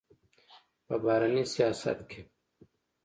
په بهرني سیاست کې